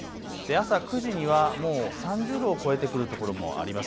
朝９時にはもう３０度を超えてくる所もあります。